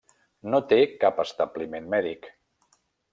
No té cap establiment mèdic.